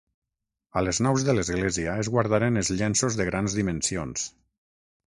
A les naus de l'església es guardaren els llenços de grans dimensions.